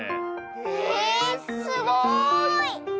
へえすごい！